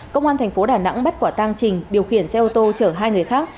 công an thành phố đà nẵng bắt quả tang trình điều khiển xe ô tô chở hai người khác